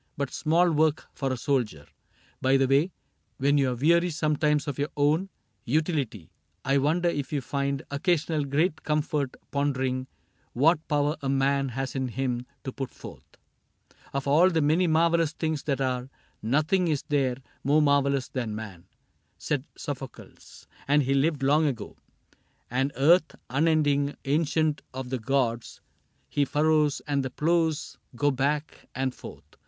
But small work for a soldier. By the way. When you are weary sometimes of your own Utility, I wonder if you find Occasional great comfort pondering What power a man has in him to put forth ?* Of all the many marvelous things that are. Nothing is there more marvelous than man,' Said Sophocles ; and he lived long ago ;< And earth, unending ancient of the gods 8 CAPTAIN CRAIG • He furrows ; and the ploughs go back and forth.